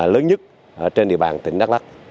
lớn nhất trên địa bàn tỉnh đắk lắc